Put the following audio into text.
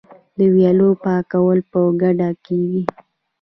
د ویالو پاکول په ګډه کیږي.